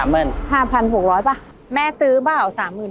๕๖๐๐ป่ะแม่ซื้อเปล่า๓๐๐๐